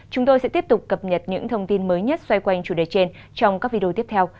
chúng tôi sẽ tiếp tục cập nhật những thông tin mới nhất xoay quanh chủ đề trên trong các video tiếp theo